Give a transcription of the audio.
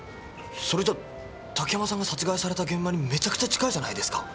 それじゃあ竹山さんが殺害された現場にもメチャクチャ近いじゃないですか。